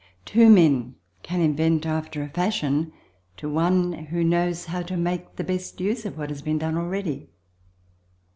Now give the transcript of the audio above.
Two men can invent after a fashion to one who knows how to make the best use of what has been done already.